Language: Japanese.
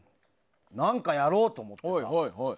何かやろうって思って。